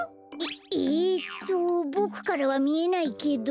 えっえとボクからはみえないけど。